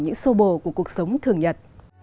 những sô bồ của cuộc sống thường nhật